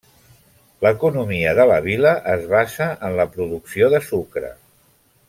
L'economia de la vila es basa en la producció de sucre.